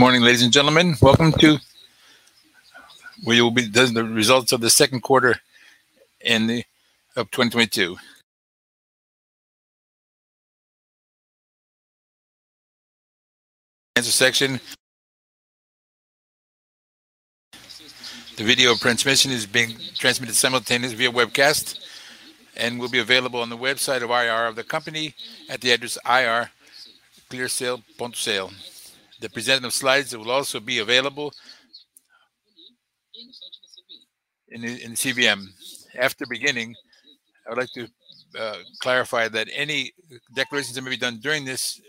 Good morning, ladies and gentlemen. We will be discussing the results of the second quarter of 2022. The video transmission is being transmitted simultaneously via webcast and will be available on the website of IR of the company at the address ri.clear.sale. The presentation of slides will also be available in CVM. After beginning, I would like to clarify that any declarations that may be done during this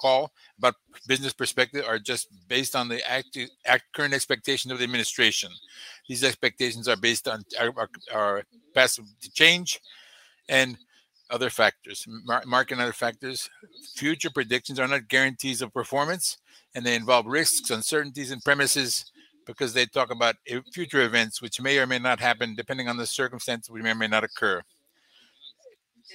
call about business perspective are just based on the current expectation of the administration. These expectations are subject to change and other market factors. Future predictions are not guarantees of performance, and they involve risks, uncertainties and assumptions because they talk about future events which may or may not happen depending on the circumstance, which may or may not occur.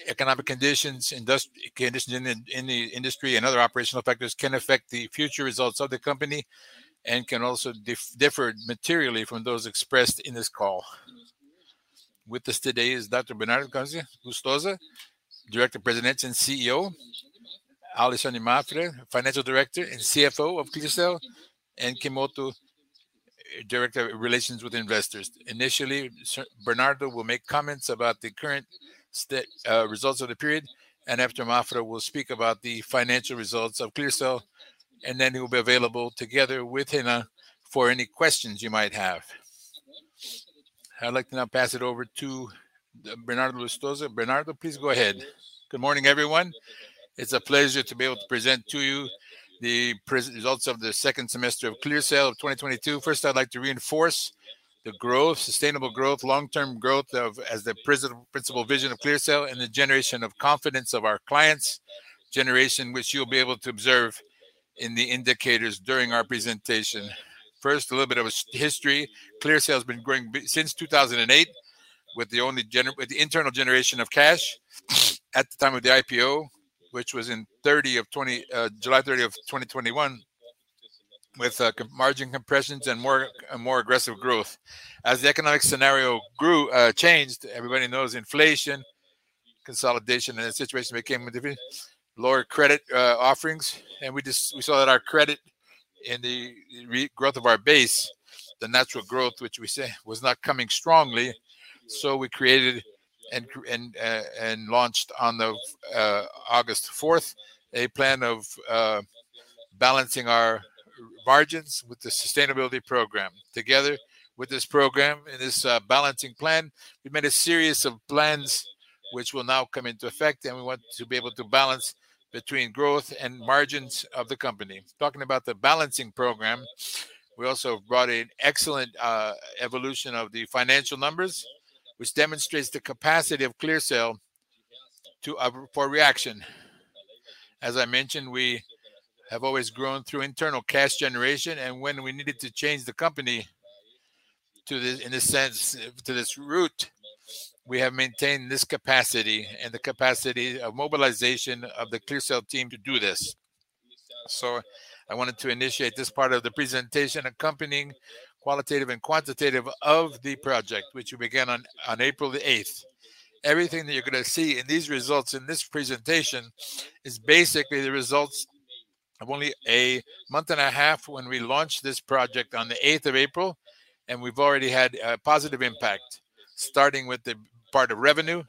Economic conditions, industry conditions in the industry and other operational factors can affect the future results of the company and can also differ materially from those expressed in this call. With us today is Dr. Bernardo Lustosa, Director, President, and CEO, Alexandre Mafra, Financial Director and CFO of ClearSale, and Renan Ikemoto, Director of Investor Relations. Initially, Bernardo will make comments about the current results of the period, and after, Mafra will speak about the financial results of ClearSale, and then he will be available together with Ikemoto for any questions you might have. I'd like to now pass it over to Bernardo Lustosa. Bernardo, please go ahead. Good morning, everyone. It's a pleasure to be able to present to you the results of the second semester of ClearSale of 2022. First, I'd like to reinforce the growth, sustainable growth, long-term growth as the principal vision of ClearSale and the generation of confidence of our clients, generation which you'll be able to observe in the indicators during our presentation. First, a little bit of a history. ClearSale has been growing since 2008 with only the internal generation of cash at the time of the IPO, which was in July 30, 2021, with margin compressions and more and more aggressive growth. As the economic scenario changed, everybody knows inflation, consolidation and the situation became difficult. Lower credit offerings, and we saw that our client growth of our base, the natural growth, which we say was not coming strongly. We created and launched on August fourth a plan of balancing our margins with the sustainability program. Together with this program and this balancing plan, we made a series of plans which will now come into effect, and we want to be able to balance between growth and margins of the company. Talking about the balancing program, we also brought in excellent evolution of the financial numbers, which demonstrates the capacity of ClearSale to react. As I mentioned, we have always grown through internal cash generation, and when we needed to change the company to, in a sense, this route, we have maintained this capacity and the capacity of mobilization of the ClearSale team to do this. I wanted to initiate this part of the presentation accompanying qualitative and quantitative of the project, which we began on April 8th. Everything that you're gonna see in these results in this presentation is basically the results of only a month and a half when we launched this project on April 8th, and we've already had a positive impact, starting with the part of revenue.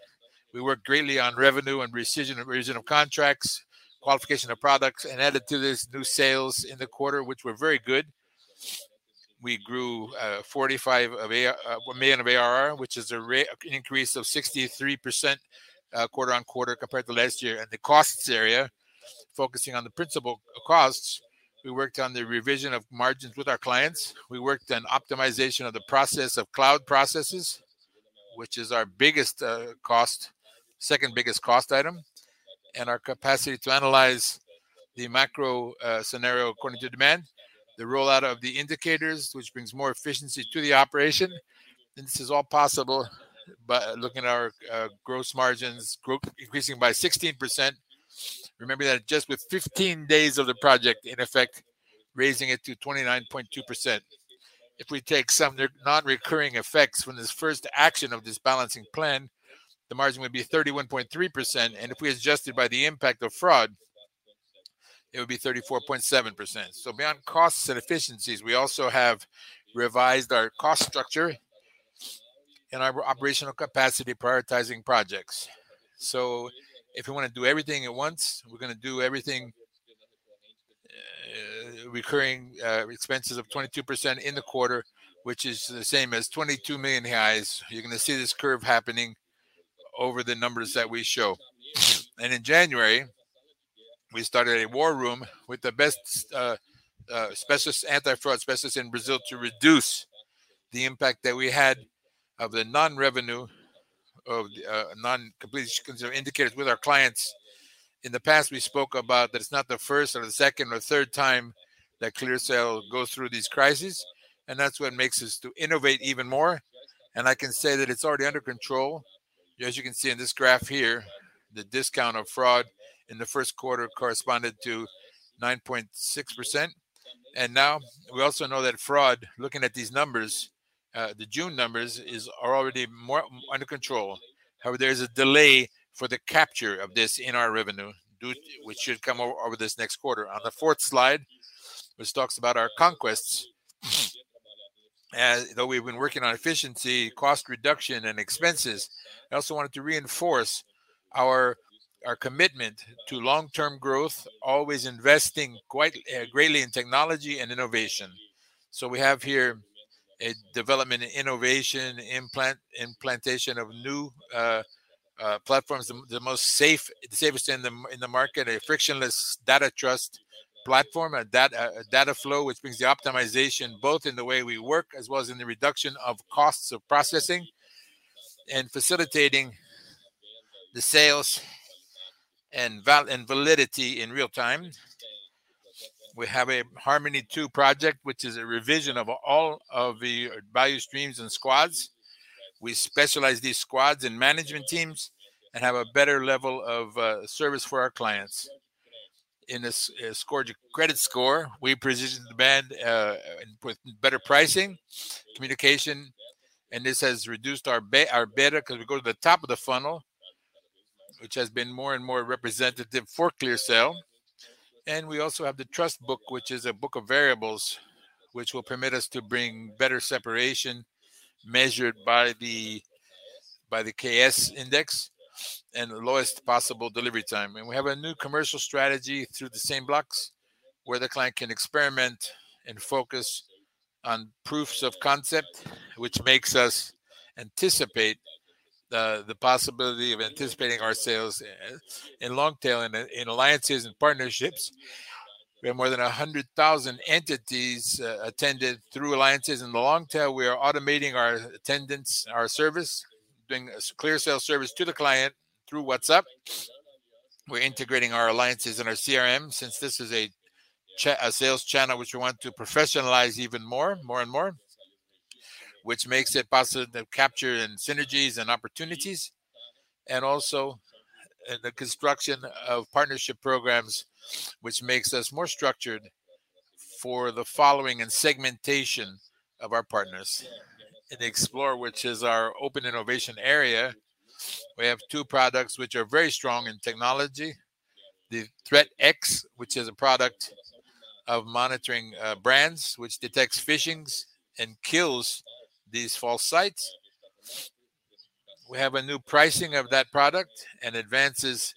We worked greatly on revenue and rescission of original contracts, qualification of products, and added to this new sales in the quarter, which were very good. We grew 45 million of ARR, which is a rapid increase of 63%, quarter-on-quarter compared to last year. In the costs area, focusing on the principal costs, we worked on the revision of margins with our clients. We worked on optimization of the process of cloud processes, which is our second biggest cost item, and our capacity to analyze the macro scenario according to demand, the rollout of the indicators, which brings more efficiency to the operation. This is all possible by looking at our gross margins increasing by 16%. Remember that just with 15 days of the project in effect, raising it to 29.2%. If we take some non-recurring effects from this first action of this balancing plan, the margin would be 31.3%, and if we adjusted by the impact of fraud, it would be 34.7%. Beyond costs and efficiencies, we also have revised our cost structure and our operational capacity prioritizing projects. If you want to do everything at once, we're gonna do everything, recurring expenses of 22% in the quarter, which is the same as 22 million. You're gonna see this curve happening over the numbers that we show. In January, we started a war room with the best anti-fraud specialists in Brazil to reduce the impact that we had of the non-revenue of non-completion indicators with our clients. In the past, we spoke about that it's not the first or the second or third time that ClearSale goes through these crises, and that's what makes us to innovate even more. I can say that it's already under control. As you can see in this graph here, the discount of fraud in the first quarter corresponded to 9.6%. Now we also know that fraud, looking at these numbers, the June numbers are already more under control. However, there's a delay for the capture of this in our revenue due, which should come over this next quarter. On the fourth slide, which talks about our conquests, although we've been working on efficiency, cost reduction, and expenses, I also wanted to reinforce our commitment to long-term growth, always investing quite greatly in technology and innovation. We have here a development and innovation implementation of new platforms, the safest in the market, a frictionless Data Trust Platform, a data flow which brings the optimization both in the way we work as well as in the reduction of costs of processing and facilitating the sales and validity in real time. We have a Harmony Two project, which is a revision of all of the value streams and squads. We specialize these squads in management teams and have a better level of service for our clients. In the credit score, we positioned the brand with better pricing, communication, and this has reduced our beta because we go to the top of the funnel, which has been more and more representative for ClearSale. We also have the trust book, which is a book of variables which will permit us to bring better separation measured by the KS index and the lowest possible delivery time. We have a new commercial strategy through the same blocks, where the client can experiment and focus on proofs of concept, which makes us anticipate the possibility of anticipating our sales in long tail, in alliances and partnerships. We have more than 100,000 entities attended through alliances. In the long tail, we are automating our attendance, our service, bringing ClearSale service to the client through WhatsApp. We're integrating our alliances in our CRM since this is a sales channel which we want to professionalize even more and more, which makes it possible to capture in synergies and opportunities and also the construction of partnership programs which makes us more structured for the following and segmentation of our partners. In Explore, which is our open innovation area, we have two products which are very strong in technology. The Brand Protection, which is a product of monitoring brands, which detects phishing and kills these false sites. We have a new pricing of that product and advances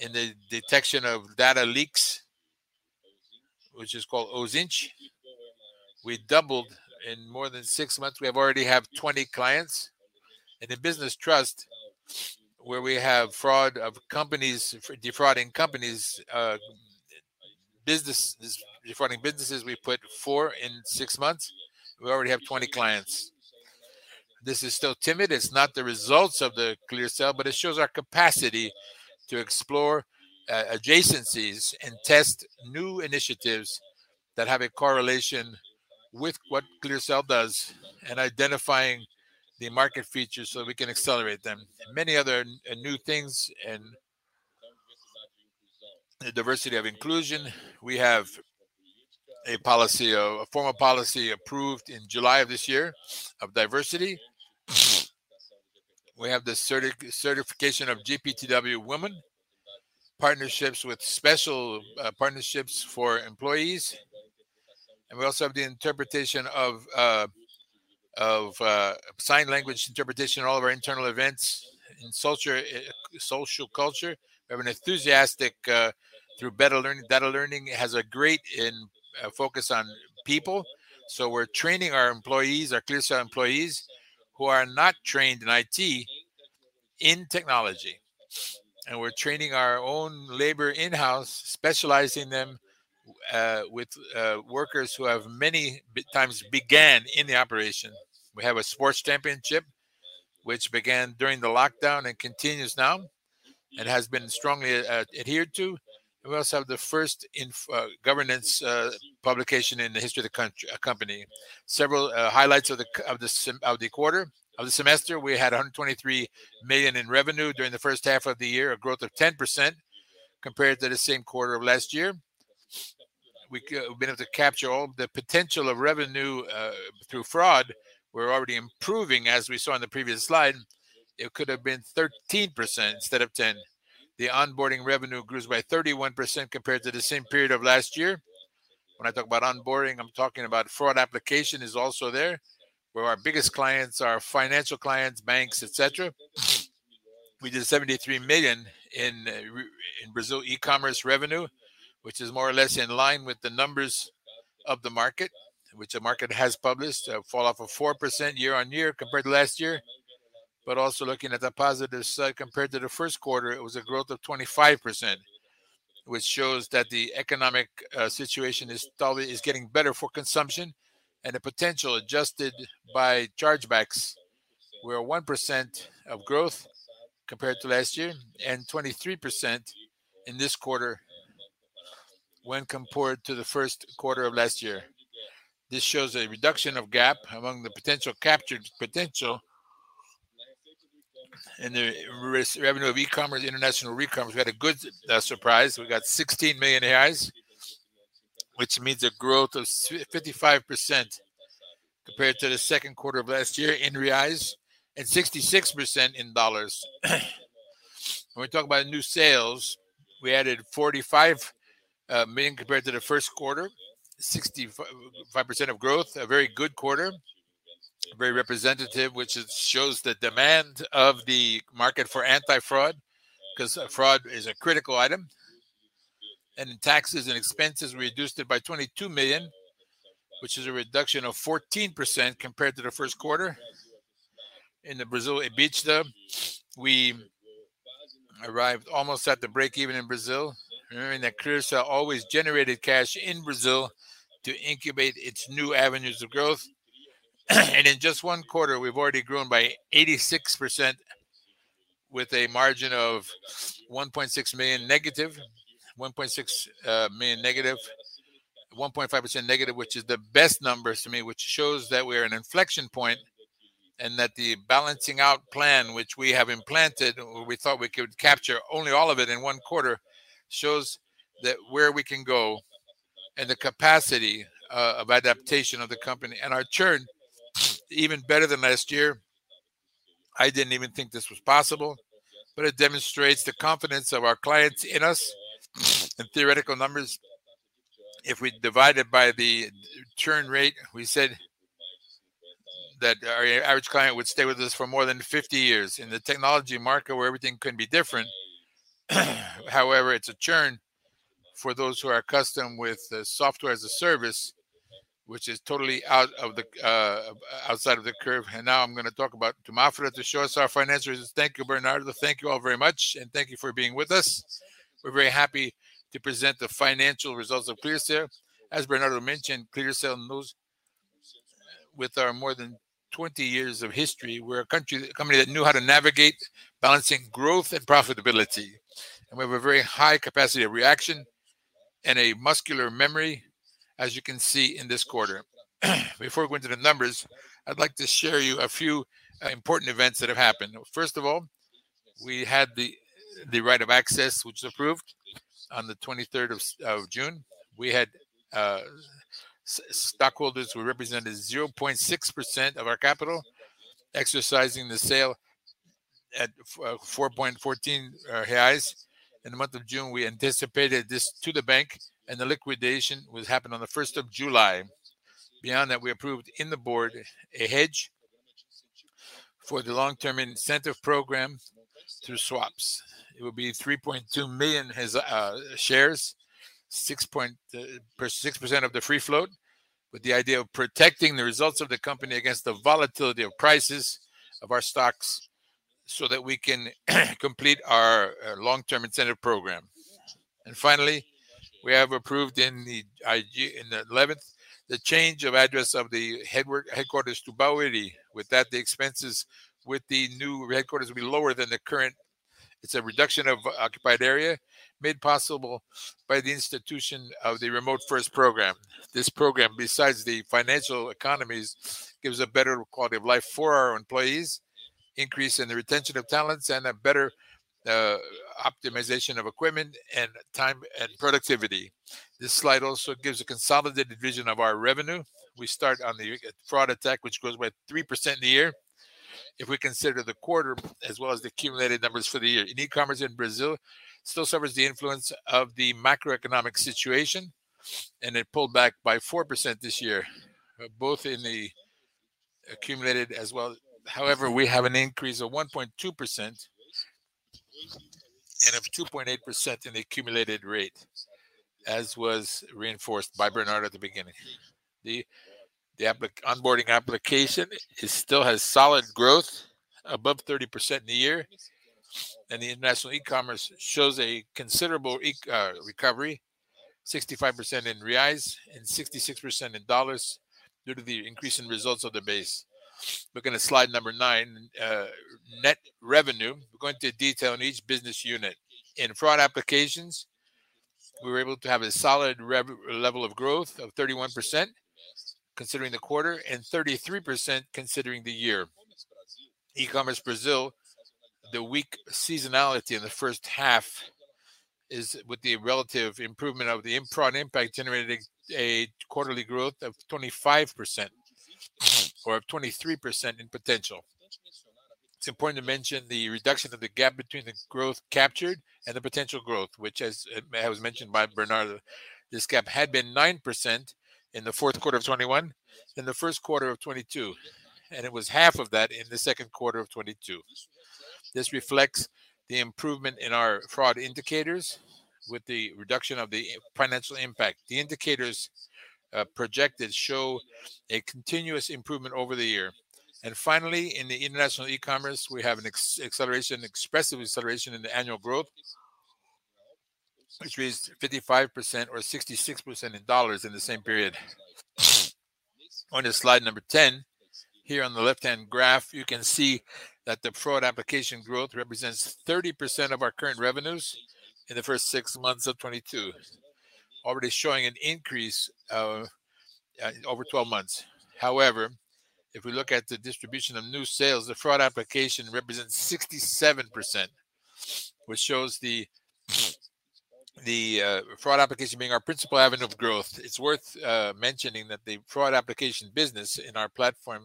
in the detection of data leaks, which is called OSINT. We doubled in more than 6 months. We already have 20 clients. In Business Trust, where we have fraud of companies, defrauding companies, businesses defrauding businesses, we put four in six months. We already have 20 clients. This is still timid. It's not the results of ClearSale, but it shows our capacity to explore adjacencies and test new initiatives that have a correlation with what ClearSale does and identifying the market features so we can accelerate them. Many other new things in the diversity of inclusion. We have a formal policy approved in July of this year of diversity. We have the certification of GPTW Women, special partnerships for employees, and we also have the sign language interpretation in all of our internal events. In culture, social culture, we have an enthusiastic through Beta Learning, data learning. It has a great focus on people. We're training our employees, our ClearSale employees, who are not trained in IT, in technology, and we're training our own labor in-house, specializing them with workers who have many times began in the operation. We have a sports championship which began during the lockdown and continues now and has been strongly adhered to. We also have the first governance publication in the history of the company. Several highlights of the semester. We had 123 million in revenue during the first half of the year, a growth of 10% compared to the same quarter of last year. We've been able to capture all the potential of revenue through fraud. We're already improving, as we saw in the previous slide. It could have been 13% instead of 10%. The onboarding revenue grows by 31% compared to the same period of last year. When I talk about onboarding, I'm talking about Application Fraud is also there, where our biggest clients are financial clients, banks, et cetera. We did 73 million in Brazil e-commerce revenue, which is more or less in line with the numbers of the market, which the market has published, a fall off of 4% year-over-year compared to last year. also looking at the positive side, compared to the first quarter, it was a growth of 25%, which shows that the economic situation is slowly is getting better for consumption. The potential adjusted by chargebacks were 1% of growth compared to last year and 23% in this quarter when compared to the first quarter of last year. This shows a reduction of gap among the potential captured potential and the revenue of e-commerce, international e-commerce. We had a good surprise. We got 16 million reais, which means a growth 55% compared to the second quarter of last year in reais and 66% in dollars. When we talk about new sales, we added 45 million compared to the first quarter, 65% growth, a very good quarter, very representative, which shows the demand of the market for anti-fraud, 'cause fraud is a critical item. In taxes and expenses, we reduced it by 22 million, which is a reduction of 14% compared to the first quarter. In the Brazil EBITDA, we arrived almost at the break-even in Brazil, remembering that ClearSale always generated cash in Brazil to incubate its new avenues of growth. In just one quarter, we've already grown by 86% with a margin of -1.6 million, -1.5%, which is the best numbers to me, which shows that we're an inflection point and that the balancing out plan which we have implemented, we thought we could capture only all of it in one quarter, shows that where we can go and the capacity of adaptation of the company. Our churn, even better than last year. I didn't even think this was possible, but it demonstrates the confidence of our clients in us. In theoretical numbers, if we divide it by the churn rate, we said that our average client would stay with us for more than 50 years. In the technology market where everything can be different, however, it's a churn for those who are accustomed with the software as a service, which is totally out of the outside of the curve. Now I'm gonna turn it over to Alexandre Mafra to show us our financial results. Thank you, Bernardo. Thank you all very much, and thank you for being with us. We're very happy to present the financial results of ClearSale. As Bernardo mentioned, ClearSale moves with our more than 20 years of history. We're a company that knew how to navigate balancing growth and profitability, and we have a very high capacity of reaction and a muscle memory, as you can see in this quarter. Before we go into the numbers, I'd like to share with you a few important events that have happened. First of all, we had the right of access, which was approved on the 23rd of June. We had stockholders who represented 0.6% of our capital exercising the sale at 4.14 reais. In the month of June, we anticipated this to the bank and the liquidation will happen on the 1st of July. Beyond that, we approved in the board a hedge for the long-term incentive program through swaps. It will be 3.2 million shares, 0.6% of the free float, with the idea of protecting the results of the company against the volatility of prices of our stocks so that we can complete our long-term incentive program. Finally, we have approved on the 11th the change of address of the headquarters to Barueri. With that, the expenses with the new headquarters will be lower than the current. It's a reduction of occupied area made possible by the institution of the remote first program. This program, besides the financial economies, gives a better quality of life for our employees, increase in the retention of talents, and a better optimization of equipment and time and productivity. This slide also gives a consolidated vision of our revenue. We start on the fraud attack, which grows by 3% a year if we consider the quarter as well as the accumulated numbers for the year. E-commerce in Brazil still suffers the influence of the macroeconomic situation, and it pulled back by 4% this year, both in the accumulated as well. However, we have an increase of 1.2% and of 2.8% in the accumulated rate, as was reinforced by Bernardo at the beginning. The onboarding application still has solid growth above 30% in the year, and the international e-commerce shows a considerable recovery, 65% in reais and 66% in dollars due to the increase in results of the base. Looking at slide number nine, net revenue. We're going to detail in each business unit. In Application Fraud, we were able to have a solid level of growth of 31% considering the quarter and 33% considering the year. E-commerce Brazil, the weak seasonality in the first half is with the relative improvement of the improvement and impact generated a quarterly growth of 25% or of 23% in potential. It's important to mention the reduction of the gap between the growth captured and the potential growth, which, as mentioned by Bernardo, this gap had been 9% in the fourth quarter of 2021, in the first quarter of 2022, and it was half of that in the second quarter of 2022. This reflects the improvement in our fraud indicators with the reduction of the financial impact. The indicators projected show a continuous improvement over the year. Finally, in the international e-commerce, we have an expressive acceleration in the annual growth, which is 55% or 66% in dollars in the same period. On to slide number 10. Here on the left-hand graph, you can see that the fraud application growth represents 30% of our current revenues in the first six months of 2022, already showing an increase of over 12 months. However, if we look at the distribution of new sales, the Application Fraud represents 67%, which shows the Application Fraud being our principal avenue of growth. It's worth mentioning that the Application Fraud business in our platform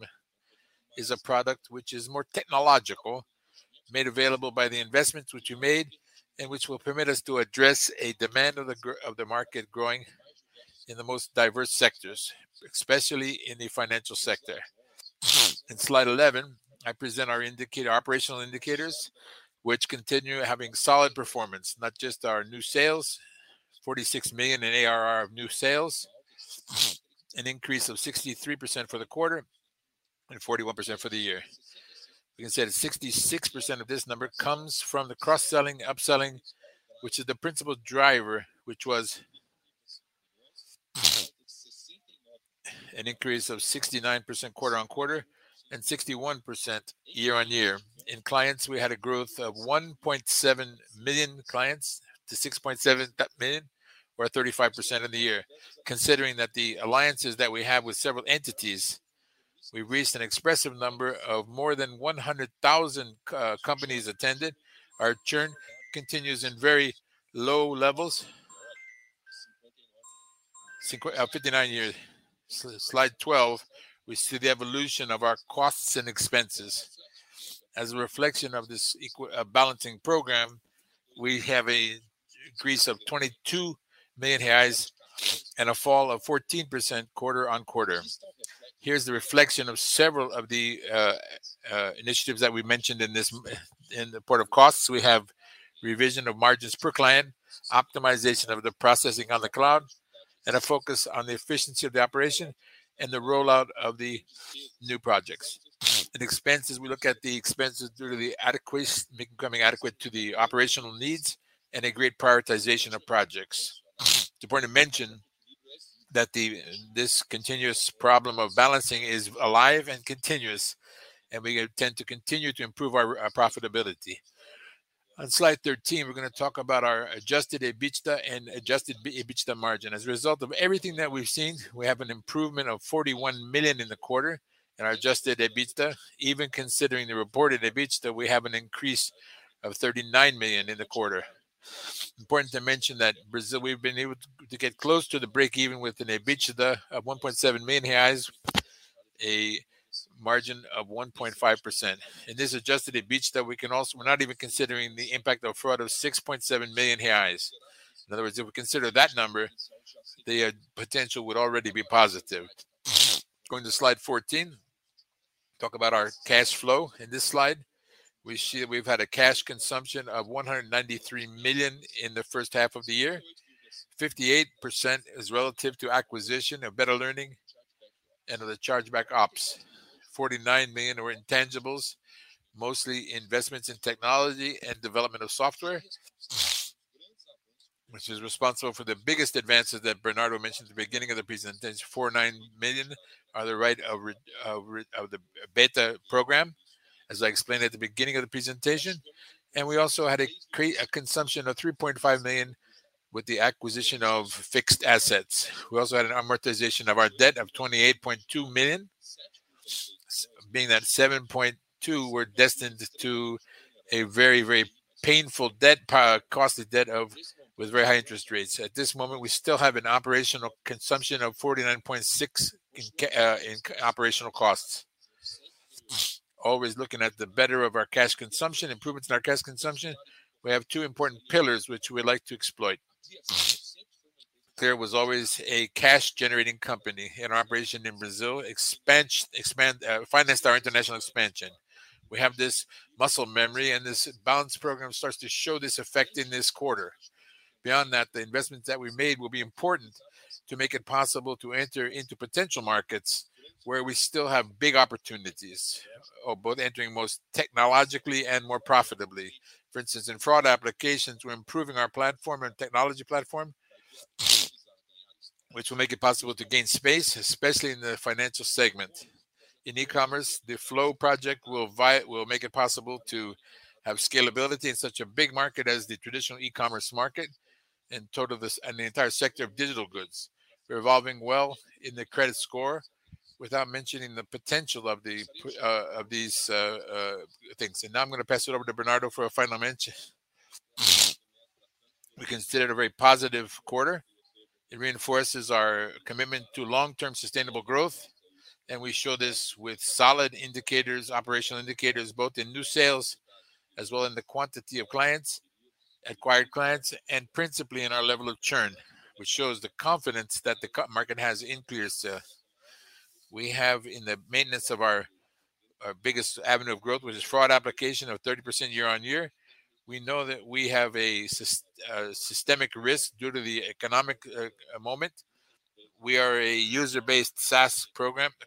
is a product which is more technological, made available by the investments which we made, and which will permit us to address a demand of the market growing in the most diverse sectors, especially in the financial sector. In slide 11, I present our operational indicators, which continue having solid performance, not just our new sales, 46 million in ARR of new sales, an increase of 63% for the quarter and 41% for the year. We can say that 66% of this number comes from the cross-selling, upselling, which is the principal driver, which was an increase of 69% quarter-over-quarter and 61% year-over-year. In clients, we had a growth of 1.7 million clients to 6.7 million, or 35% in the year. Considering that the alliances that we have with several entities, we reached an expressive number of more than 100,000 companies attended. Our churn continues in very low levels. 0.59 year. Slide 12, we see the evolution of our costs and expenses. As a reflection of this balancing program, we have a decrease of 22 million and a fall of 14% quarter-over-quarter. Here's the reflection of several of the initiatives that we mentioned in this, in the portion of costs. We have revision of margins per client, optimization of the processing on the cloud, and a focus on the efficiency of the operation and the rollout of the new projects. In expenses, we look at the expenses due to becoming adequate to the operational needs and a great prioritization of projects. It's important to mention that this continuous problem of balancing is alive and continuous, and we intend to continue to improve our profitability. On slide 13, we're going to talk about our adjusted EBITDA and adjusted EBITDA margin. As a result of everything that we've seen, we have an improvement of 41 million in the quarter in our adjusted EBITDA. Even considering the reported EBITDA, we have an increase of 39 million in the quarter. Important to mention that Brazil, we've been able to get close to the break even with an EBITDA of 1.7 million reais, a margin of 1.5%. In this adjusted EBITDA, we're not even considering the impact of fraud of 6.7 million reais. In other words, if we consider that number, the potential would already be positive. Going to slide 14, talk about our cash flow. In this slide, we see that we've had a cash consumption of 193 million in the first half of the year. 58% is relative to acquisition of Beta Learning and the chargeback ops. 49 million were intangibles, mostly investments in technology and development of software, which is responsible for the biggest advances that Bernardo mentioned at the beginning of the presentation. 49 million are the write-off of the Beta program, as I explained at the beginning of the presentation. We also had a consumption of 3.5 million with the acquisition of fixed assets. We also had an amortization of our debt of 28.2 million, being that 7.2 were destined to a very, very painful debt payment cost of debt with very high interest rates. At this moment, we still have an operational consumption of 49.6 in operational costs. Always looking at the better of our cash consumption, improvements in our cash consumption, we have two important pillars which we like to exploit. ClearSale was always a cash-generating company, and our operation in Brazil expansion financed our international expansion. We have this muscle memory, and this balance program starts to show this effect in this quarter. Beyond that, the investments that we made will be important to make it possible to enter into potential markets where we still have big opportunities, both entering most technologically and more profitably. For instance, in Application Fraud, we're improving our platform and technology platform, which will make it possible to gain space, especially in the financial segment. In e-commerce, the Flow project will make it possible to have scalability in such a big market as the traditional e-commerce market, and the entire sector of digital goods. We're evolving well in the Credit Score without mentioning the potential of the of these things. Now I'm going to pass it over to Bernardo for a final mention. We consider it a very positive quarter. It reinforces our commitment to long-term sustainable growth, and we show this with solid indicators, operational indicators, both in new sales as well as in the quantity of clients, acquired clients, and principally in our level of churn, which shows the confidence that the market has in ClearSale. We have maintained our biggest avenue of growth, which is Application Fraud of 30% year-over-year. We know that we have a systemic risk due to the economic moment. We are a usage-based SaaS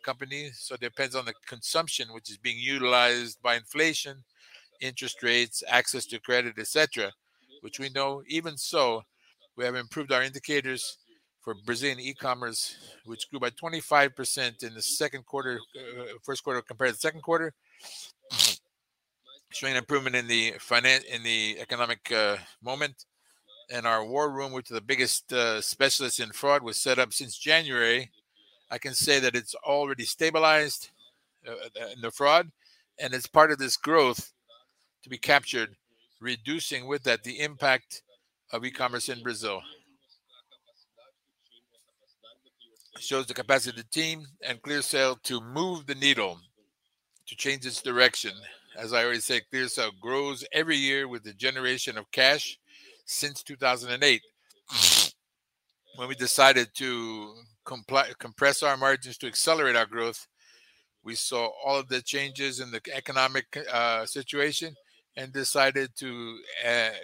company, so it depends on the consumption which is being affected by inflation, interest rates, access to credit, et cetera, which we know even so. We have improved our indicators for Brazilian e-commerce, which grew by 25% in the second quarter, first quarter compared to second quarter. Showing improvement in the economic moment. Our war room, which is the biggest specialist in fraud, was set up since January. I can say that it's already stabilized the fraud, and it's part of this growth to be captured, reducing with that the impact of e-commerce in Brazil. It shows the capacity of the team and ClearSale to move the needle to change its direction. As I always say, ClearSale grows every year with the generation of cash since 2008. When we decided to compress our margins to accelerate our growth, we saw all of the changes in the economic situation and decided to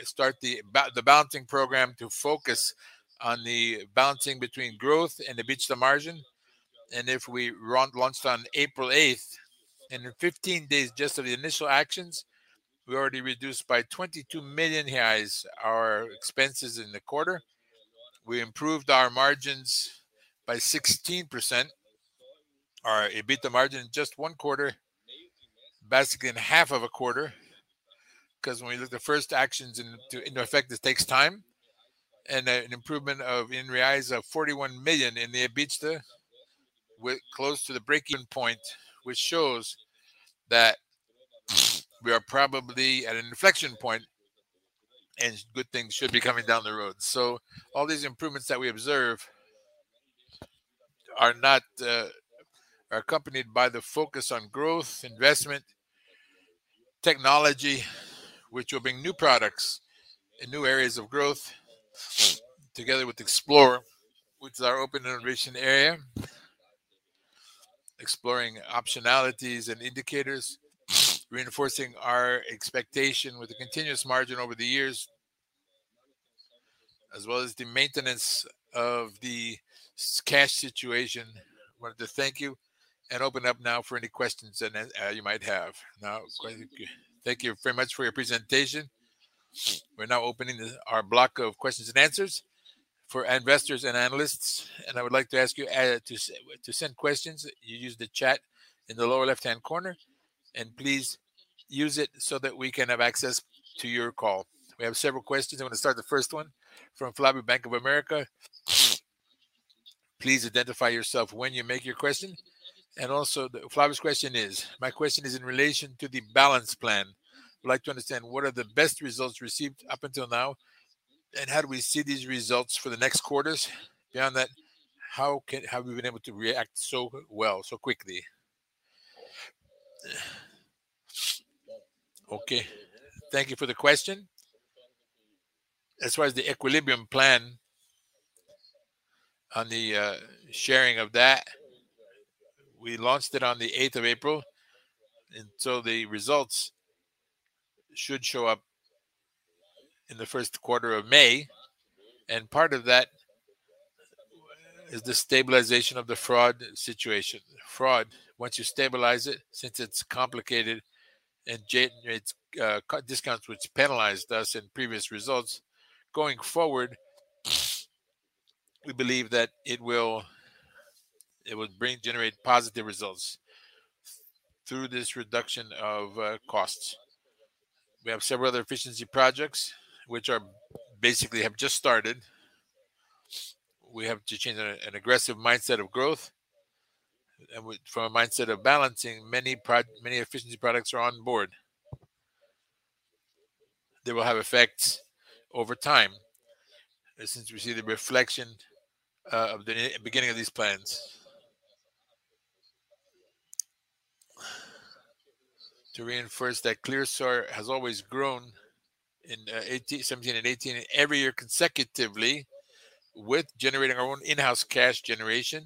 start the balancing program to focus on the balancing between growth and EBITDA margin. We launched on April 8th, and in 15 days just of the initial actions, we already reduced by 22 million reais our expenses in the quarter. We improved our margins by 16%. Our EBITDA margin in just one quarter, basically in half of a quarter, 'cause when we look at the first actions into effect, this takes time. An improvement of, in BRL, of 41 million reais in the EBITDA, we're close to the breakeven point, which shows that we are probably at an inflection point, and good things should be coming down the road. All these improvements that we observe are accompanied by the focus on growth, investment, technology, which will bring new products and new areas of growth together with New Ventures, which is our open innovation area. Exploring optionalities and indicators, reinforcing our expectation with a continuous margin over the years, as well as the maintenance of the cash situation. I wanted to thank you and open up now for any questions that you might have. Now, thank you very much for your presentation. We're now opening our block of questions-and-answers for investors and analysts, and I would like to ask you to send questions. You use the chat in the lower left-hand corner, and please use it so that we can have access to your call. We have several questions. I'm gonna start the first one from Flavio, Bank of America. Please identify yourself when you make your question. Also, Flavio's question is, " My question is in relation to the balance plan. I'd like to understand what are the best results received up until now, and how do we see these results for the next quarters? Beyond that, how have we been able to react so well, so quickly? Okay. Thank you for the question. As far as the equilibrium plan on the sharing of that, we launched it on the 8th of April, and so the results should show up in the first quarter of May. Part of that is the stabilization of the fraud situation. Fraud, once you stabilize it, since it's complicated and it's cut discounts which penalized us in previous results, going forward, we believe that it will generate positive results through this reduction of costs. We have several other efficiency projects which are basically have just started. We have to change an aggressive mindset of growth from a mindset of balancing many efficiency products are on board. They will have effects over time since we see the reflection of the beginning of these plans. To reinforce that ClearSale has always grown in 2017 and 2018, every year consecutively with generating our own in-house cash generation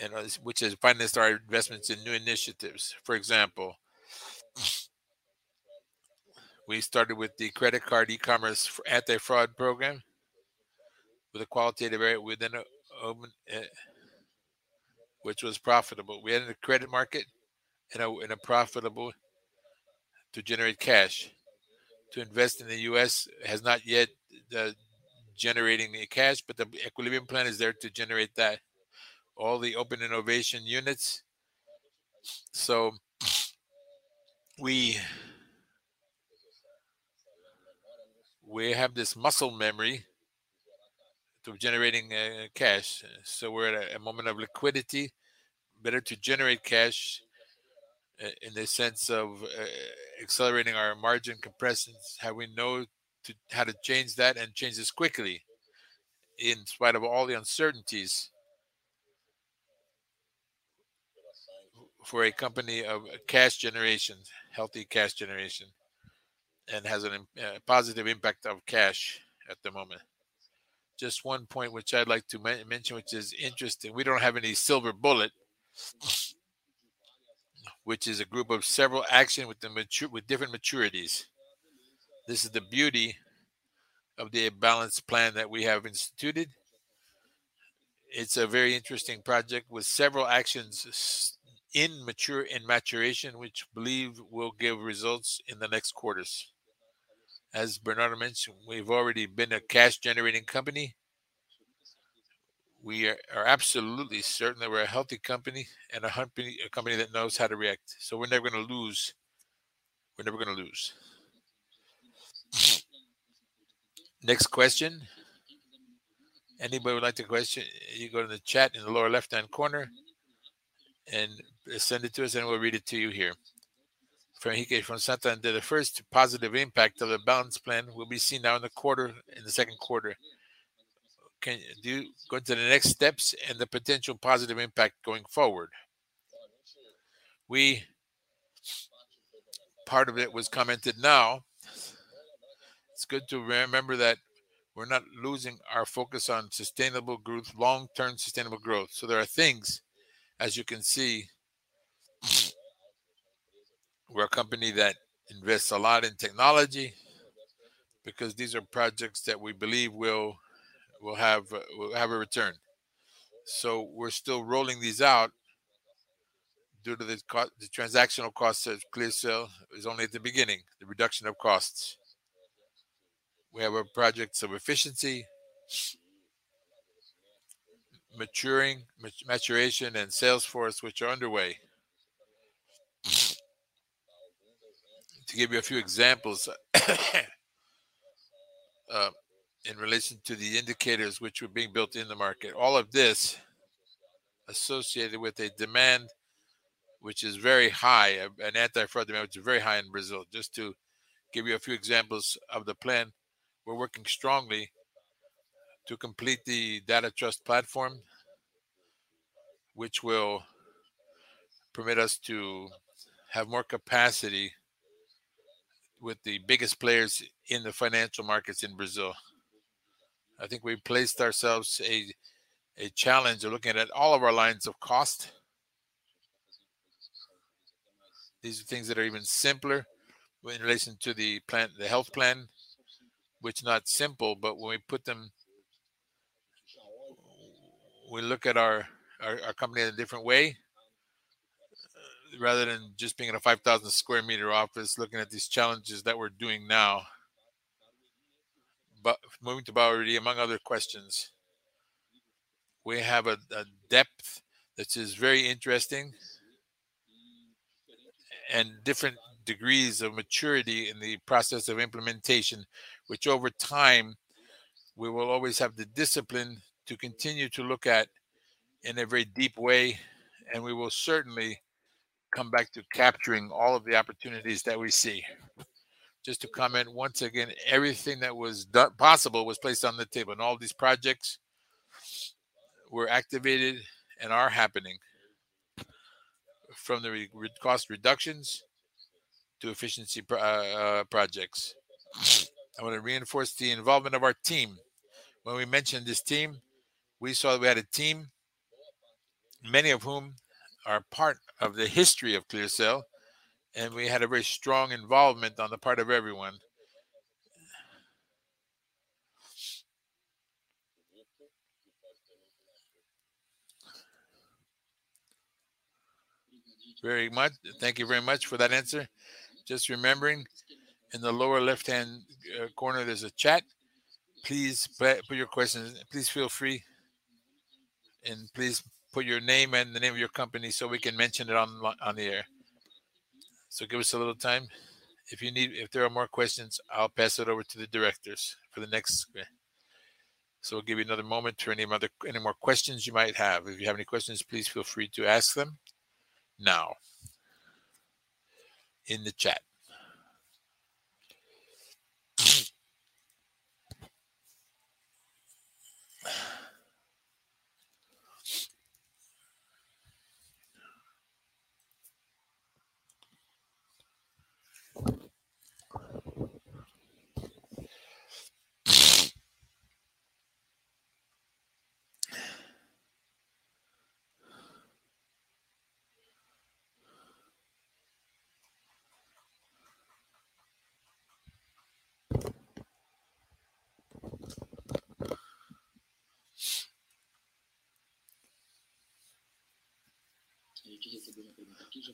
and which has financed our investments in new initiatives. For example, we started with the credit card e-commerce anti-fraud program with a qualitative area within an open which was profitable. We entered the credit market in a profitable to generate cash. To invest in the U.S. has not yet generating any cash, but the equilibrium plan is there to generate that. All the open innovation units. We have this muscle memory to generating cash. We're at a moment of liquidity, better to generate cash in the sense of accelerating our margin compression, how we know how to change that and change this quickly in spite of all the uncertainties. For a company of cash generation, healthy cash generation, and has an positive impact of cash at the moment. Just one point which I'd like to mention, which is interesting. We don't have any silver bullet, which is a group of several actions with different maturities. This is the beauty of the balance plan that we have instituted. It's a very interesting project with several actions in maturation, which we believe will give results in the next quarters. As Bernardo mentioned, we've already been a cash-generating company. We are absolutely certain that we're a healthy company and a company that knows how to react. We're never gonna lose. Next question. Anybody who would like to ask a question, you can go to the chat in the lower left-hand corner and send it to us, and we'll read it to you here. From Henrique from Santander, "Did the first positive impact of the balance plan will be seen now in the quarter, in the second quarter? Can you go into the next steps and the potential positive impact going forward?" Part of it was commented now. It's good to remember that we're not losing our focus on sustainable growth, long-term sustainable growth. There are things, as you can see, we're a company that invests a lot in technology because these are projects that we believe will have a return. We're still rolling these out due to the transactional costs of ClearSale only at the beginning, the reduction of costs. We have our projects of efficiency maturing, maturation, and sales force which are underway. To give you a few examples, in relation to the indicators which were being built in the market, all of this associated with a demand which is very high, an anti-fraud demand which is very high in Brazil. Just to give you a few examples of the plan, we're working strongly to complete the Data Trust Platform, which will permit us to have more capacity with the biggest players in the financial markets in Brazil. I think we placed ourselves a challenge of looking at all of our lines of cost. These are things that are even simpler when in relation to the plan, the health plan, which is not simple, but when we put them, we look at our company in a different way, rather than just being in a 5,000m2 office looking at these challenges that we're doing now. Moving to priority, among other questions, we have a depth which is very interesting and different degrees of maturity in the process of implementation, which over time, we will always have the discipline to continue to look at in a very deep way, and we will certainly come back to capturing all of the opportunities that we see. Just to comment once again, everything that was doable was placed on the table, and all these projects were activated and are happening, from the cost reductions to efficiency projects. I wanna reinforce the involvement of our team. When we mentioned this team, we saw that we had a team, many of whom are part of the history of ClearSale, and we had a very strong involvement on the part of everyone. Very much. Thank you very much for that answer. Just remembering, in the lower left-hand corner, there's a chat. Please put your questions. Please feel free, and please put your name and the name of your company so we can mention it on the air. Give us a little time. If there are more questions, I'll pass it over to the directors for the next. We'll give you another moment to any more questions you might have. If you have any questions, please feel free to ask them now in the chat.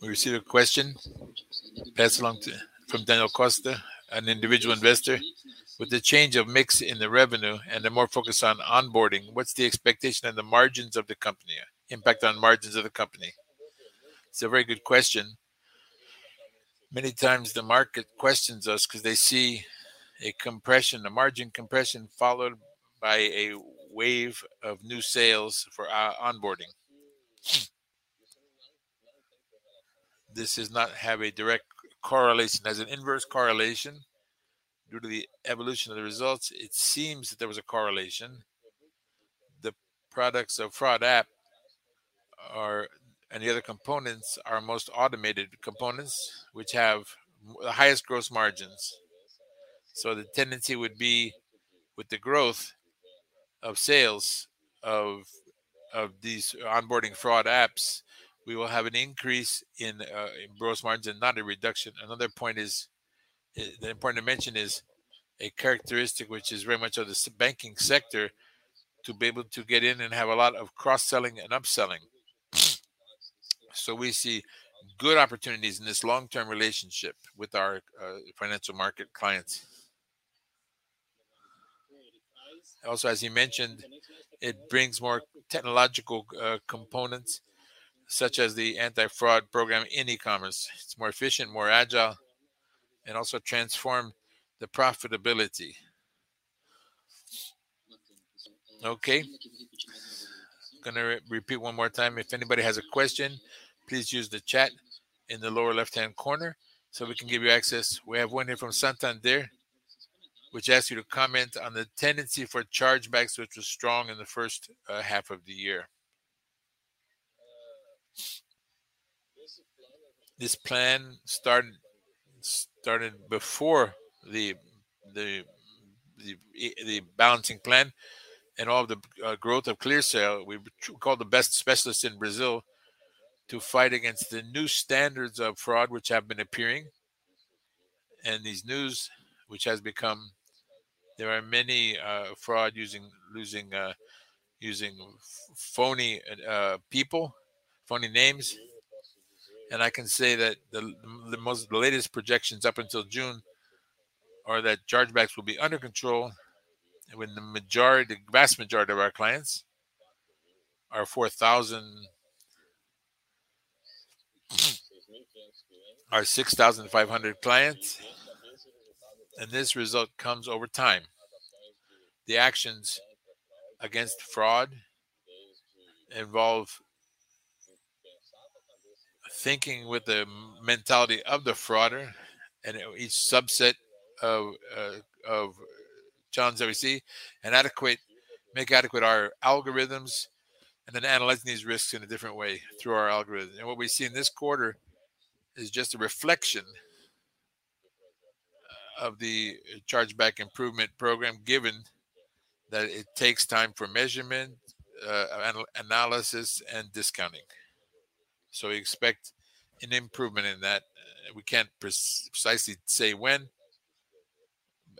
We received a question passed along from Daniel Costa, an individual investor. "With the change of mix in the revenue and the more focus on onboarding, what's the expectation on the margins of the company, impact on margins of the company?" It's a very good question. Many times the market questions us because they see a compression, a margin compression followed by a wave of new sales for onboarding. This does not have a direct correlation. It has an inverse correlation. Due to the evolution of the results, it seems that there was a correlation. The products of Application Fraud are, and the other components are most automated components which have the highest gross margins. The tendency would be with the growth of sales of these onboarding Application Frauds, we will have an increase in gross margin, not a reduction. Another point is. The important to mention is a characteristic which is very much of this banking sector to be able to get in and have a lot of cross-selling and upselling. We see good opportunities in this long-term relationship with our financial market clients. Also, as you mentioned, it brings more technological components such as the anti-fraud program in e-commerce. It's more efficient, more agile, and also transform the profitability. Okay. Gonna repeat one more time. If anybody has a question, please use the chat in the lower left-hand corner, so we can give you access. We have one here from Santander, which asks you to comment on the tendency for chargebacks, which was strong in the first half of the year. This plan started before the balancing plan and all the growth of ClearSale. We've called the best specialists in Brazil to fight against the new standards of fraud which have been appearing. These new, which have become. There are many frauds using phony people, phony names. I can say that the latest projections up until June are that chargebacks will be under control with the vast majority of our clients, our 6,500 clients, and this result comes over time. The actions against fraud involve thinking with the mentality of the fraudster and each subset of challenges that we see and make adequate our algorithms, and then analyzing these risks in a different way through our algorithm. What we see in this quarter is just a reflection of the chargeback improvement program, given that it takes time for measurement, analysis, and discounting. We expect an improvement in that. We can't precisely say when,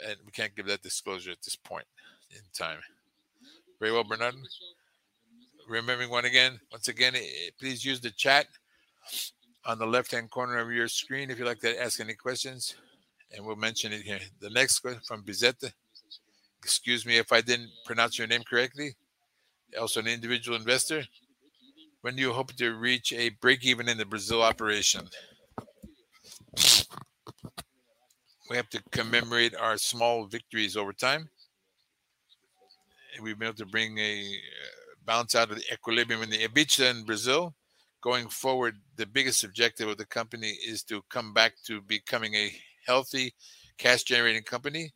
and we can't give that disclosure at this point in time. Very well, Bernardo. Once again, please use the chat on the left-hand corner of your screen if you'd like to ask any questions, and we'll mention it here. The next question from Vittorio. Excuse me if I didn't pronounce your name correctly. Also an individual investor. When do you hope to reach a break-even in the Brazil operation? We have to commemorate our small victories over time. We've been able to bring a balance out of the equilibrium in the EBITDA in Brazil. Going forward, the biggest objective of the company is to come back to becoming a healthy cash-generating company.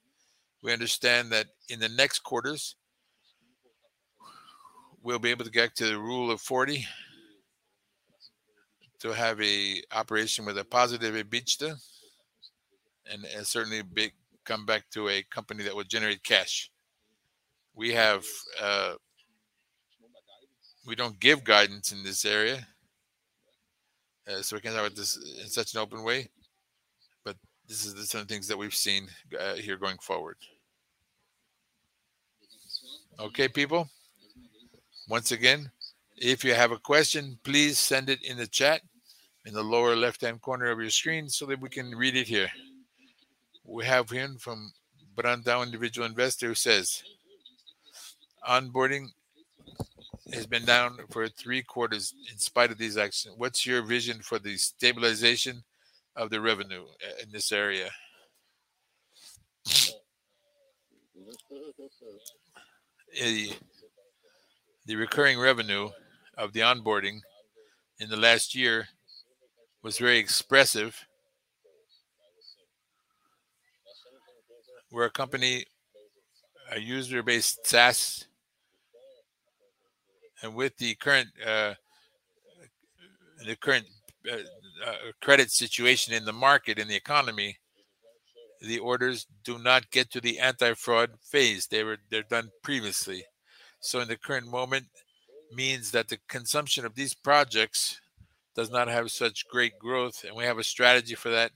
We understand that in the next quarters, we'll be able to get to the Rule of 40 to have an operation with a positive EBITDA and certainly big comeback to a company that will generate cash. We have. We don't give guidance in this area, so we can talk about this in such an open way, but this is certainly what we've seen here going forward. Okay, people. Once again, if you have a question, please send it in the chat in the lower left-hand corner of your screen so that we can read it here. We have one from Brandão, individual investor, who says, "Onboarding has been down for 3 quarters in spite of these actions. What's your vision for the stabilization of the revenue in this area?" The recurring revenue of the onboarding in the last year was very expressive. We're a company, a user-based SaaS, and with the current credit situation in the market, in the economy, the orders do not get to the anti-fraud phase. They're done previously. In the current moment means that the consumption of these projects does not have such great growth, and we have a strategy for that,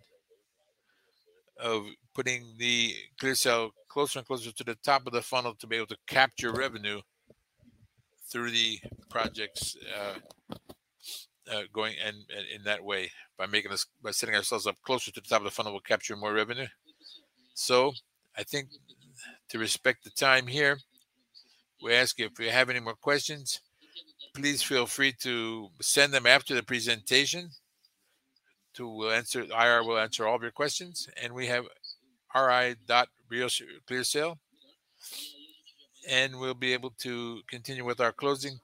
of putting the ClearSale closer and closer to the top of the funnel to be able to capture revenue through the projects going in that way. By setting ourselves up closer to the top of the funnel, we'll capture more revenue. I think to respect the time here, we ask you if you have any more questions, please feel free to send them after the presentation. IR will answer all of your questions. We have ri.clear.sale, and we'll be able to continue with our closing.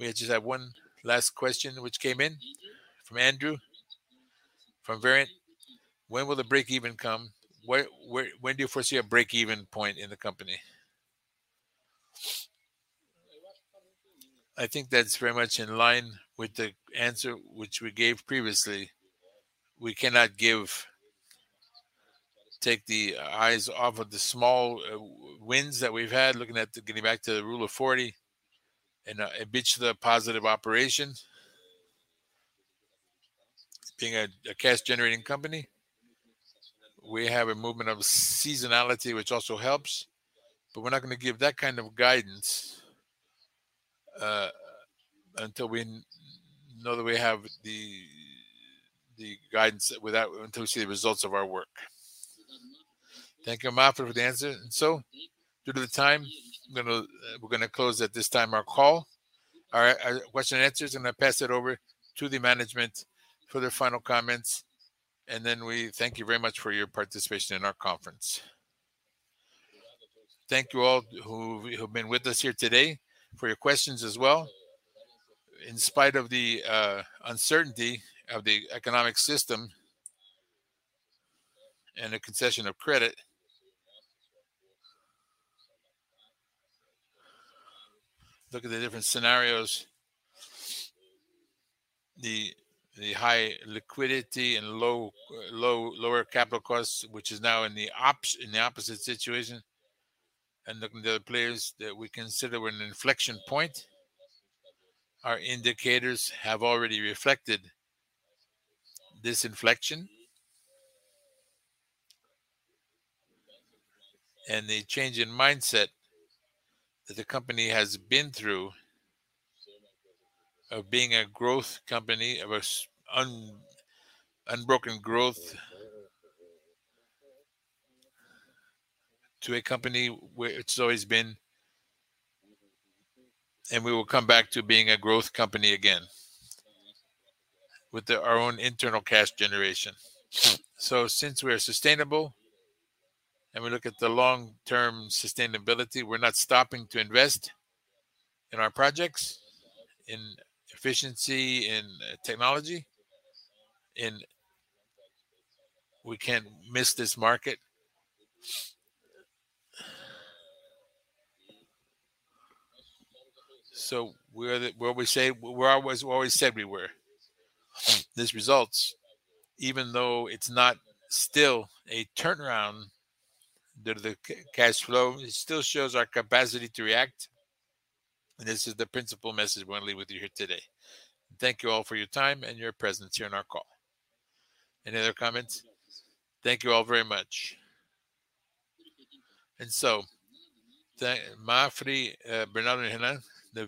We just have one last question which came in from Andrew, from Variant. "When will the break even come? When do you foresee a break even point in the company?" I think that's very much in line with the answer which we gave previously. We cannot take the eyes off of the small wins that we've had, looking at getting back to the Rule of 40 and EBITDA positive operations. Being a cash generating company, we have a movement of seasonality which also helps, but we're not gonna give that kind of guidance until we see the results of our work. Thank you, Mafra, for the answer. Due to the time, we're gonna close at this time our call. Our question- and- answers, I'm gonna pass it over to the management for their final comments. We thank you very much for your participation in our conference. Thank you all who've been with us here today for your questions as well. In spite of the uncertainty of the economic system and the concession of credit. Look at the different scenarios. The high liquidity and lower capital costs, which is now in the opposite situation. Looking at the other players that we consider we're in an inflection point. Our indicators have already reflected this inflection. The change in mindset that the company has been through of being a growth company, of an unbroken growth to a company where it's always been, and we will come back to being a growth company again with our own internal cash generation. Since we are sustainable, and we look at the long-term sustainability, we're not stopping to invest in our projects, in efficiency, in technology. We can't miss this market. We are where we always said we were. These results, even though it's not still a turnaround due to the cash flow, it still shows our capacity to react. This is the principal message we wanna leave with you here today. Thank you all for your time and your presence here on our call. Any other comments? Thank you all very much. Mafra, Bernardo and Renan